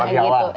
di luar jawa